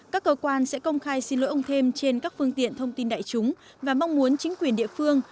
các cơ quan sẽ công khai xin lỗi ông thêm trên các phương tiện thông tin đại chúng và mong muốn chính quyền địa phương